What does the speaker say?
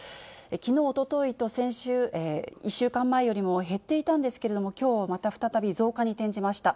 きのう、おとといと先週、１週間前よりも減っていたんですけれども、きょうはまた再び増加に転じました。